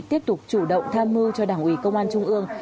tiếp tục chủ động tham mưu cho đảng ủy công an trung ương